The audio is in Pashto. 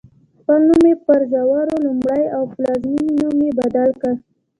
خپل نوم یې پر ژواو لومړی او پلازمېنې نوم یې بدل کړ.